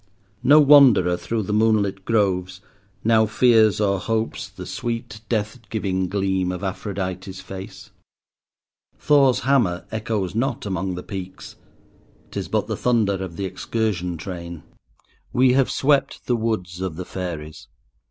No wanderer through the moonlit groves now fears or hopes the sweet, death giving gleam of Aphrodite's face. Thor's hammer echoes not among the peaks—'tis but the thunder of the excursion train. We have swept the woods of the fairies.